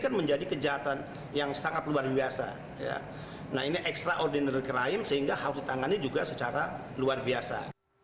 pemerintah yang sangat luar biasa nah ini extraordinary crime sehingga harus ditangani juga secara luar biasa